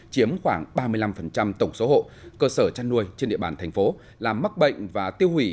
chiếm khoảng ba mươi năm tổng số hộ cơ sở chăn nuôi trên địa bàn thành phố làm mắc bệnh và tiêu hủy